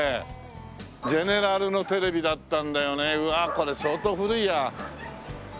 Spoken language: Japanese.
これ相当古いや。